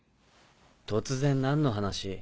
突然何の話？